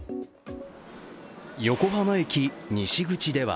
横浜駅西口では